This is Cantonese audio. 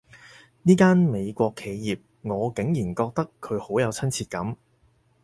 呢間美國企業，我竟然覺得佢好有親切感